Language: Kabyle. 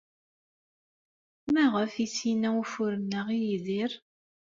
Maɣef ay as-yenna ufur-nneɣ i Yidir?